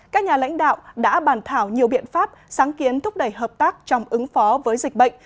các nhà lãnh đạo đã bàn thảo nhiều biện pháp sáng kiến thúc đẩy hợp tác trong ứng phó với dịch bệnh